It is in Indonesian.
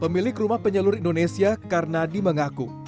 pemilik rumah penyalur indonesia karena dimengaku